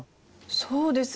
そうですね。